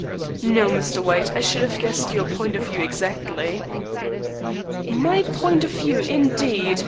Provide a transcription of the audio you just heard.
"No, Mr. White, I should have guessed your point of view exactly." "My point of view, indeed!